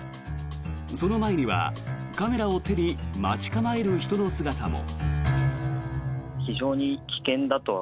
その前にはカメラを手に待ち構える人の姿も。